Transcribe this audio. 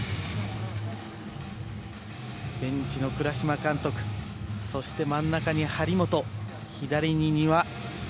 ベンチの倉嶋監督そして真ん中に張本、左に丹羽。